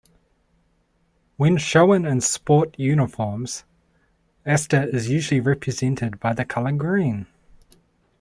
When shown in sport uniforms, Aster is usually represented by the color green.